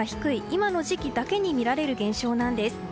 今の時期だけに見られる現象なんです。